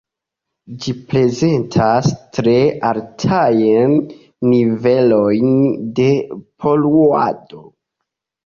Ĝi prezentas tre altajn nivelojn de poluado.